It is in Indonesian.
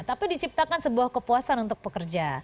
tapi diciptakan sebuah kepuasan untuk pekerja